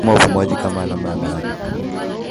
Mfumo wa upumuaji kama alama kuu ya maradhi